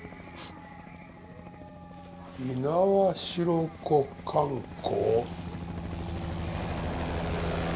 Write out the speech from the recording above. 「猪苗代湖観光」。